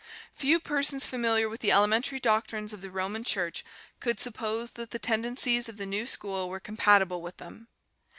Few persons familiar with the elementary doctrines of the Roman Church could suppose that the tendencies of the new school were compatible with them.